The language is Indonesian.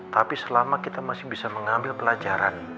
tapi selama kita masih bisa mengambil pelajaran